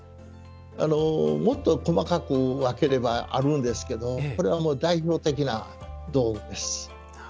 もっと細かく分ければあるんですけどこれはもう代表的な道具です。